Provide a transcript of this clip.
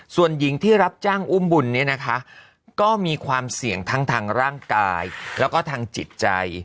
ส่วนหญิงที่รับจ้างอุ้มบุญเนี่ยนะคะก็มีความเสี่ยงทั้งทางร่างกายแล้วก็ทางจิตใจ